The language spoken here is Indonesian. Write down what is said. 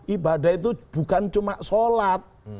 ibadah itu bukan cuma sholat